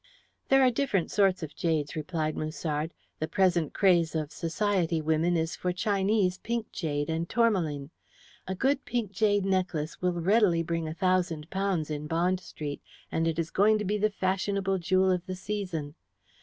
"There are different sorts of jade," replied Musard. "The present craze of Society women is for Chinese pink jade and tourmalin. A good pink jade necklace will readily bring a thousand pounds in Bond Street, and it is going to be the fashionable jewel of the season.